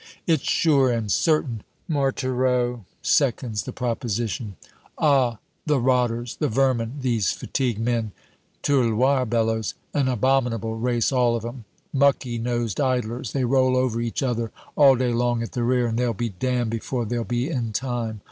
"It's sure and certain" Marthereau seconds the proposition. "Ah, the rotters, the vermin, these fatigue men!" Tirloir bellows. "An abominable race all of 'em mucky nosed idlers! They roll over each other all day long at the rear, and they'll be damned before they'll be in time.